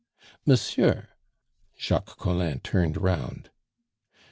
"Monsieur!" Jacques Collin turned round.